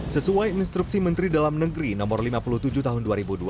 sesuai instruksi menteri dalam negeri no lima puluh tujuh tahun dua ribu dua puluh